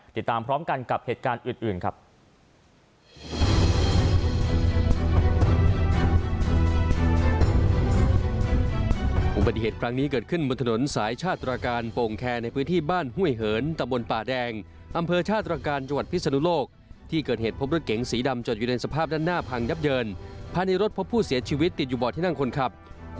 ติดตามพร้อมกันกับเหตุการณ์อื่นครับ